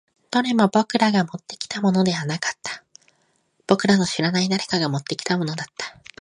どれも僕らがもってきたものではなかった。僕らの知らない誰かが持ってきたものだった。